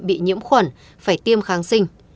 bị nhiễm khuẩn phải tiêm kháng sinh